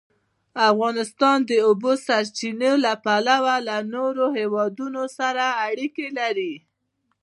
افغانستان د د اوبو سرچینې له پلوه له نورو هېوادونو سره اړیکې لري.